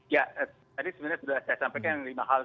ya tadi sebenarnya sudah saya sampaikan lima hal